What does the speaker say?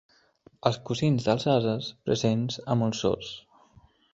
Els cosins dels ases presents a molts zoos.